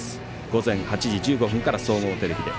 午前８時１５分から総合テレビで。